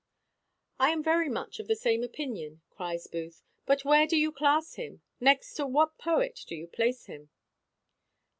"I am very much of the same opinion," cries Booth; "but where do you class him next to what poet do you place him?"